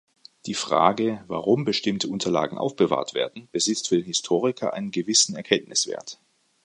Die Frage, warum bestimmte Unterlagen aufbewahrt werden, besitzt für den Historiker einen gewissen Erkenntniswert.